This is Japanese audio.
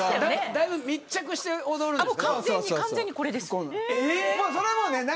だいぶ密着して踊るんですよね。